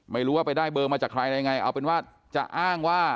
ไม่รู้ว่าไปได้เบอร์มาจากใครอะไรยังไงเอาเป็นว่าจะอ้างว่า